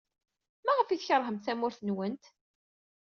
Maɣef ay tkeṛhemt tamurt-nwent?